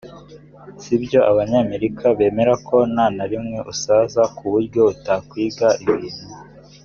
si byo abanyamerika bemera ko nta narimwe usaza ku buryo utakwiga ibintu